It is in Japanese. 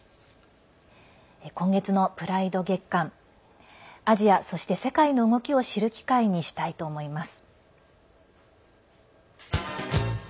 今月のプライド月間、アジアそして世界の動きを知る機会にしたいと思います。